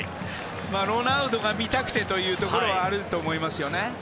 ロナウドが見たくてというところはあると思います。